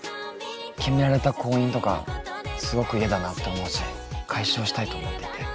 決められた婚姻とかすごく嫌だなって思うし解消したいと思っていて。